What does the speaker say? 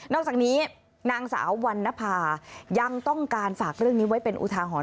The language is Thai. อกจากนี้นางสาววันนภายังต้องการฝากเรื่องนี้ไว้เป็นอุทาหรณ